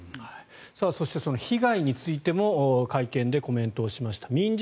そして、被害についても会見でコメントをしました。